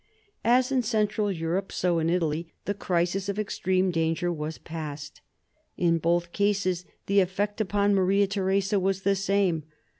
As in Central Europe, so in Italy, the crisis of ex treme danger was past. In both cases the effect upon Maria Theresa was the same.